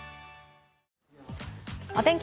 お天気